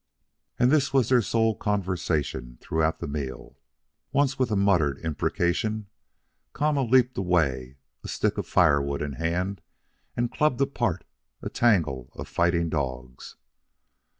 And this was their sole conversation throughout the meal. Once, with a muttered imprecation, Kama leaped away, a stick of firewood in hand, and clubbed apart a tangle of fighting dogs.